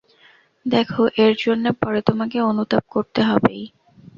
দেখো এর জন্যে পরে তোমাকে অনুতাপ করতে হবেই।